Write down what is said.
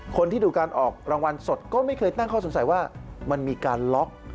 คนที่ดูการออกรางวัลสดก็ไม่เคยตั้งข้อสงสัยว่ามันมีการล็อก